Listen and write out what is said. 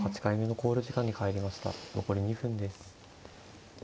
残り２分です。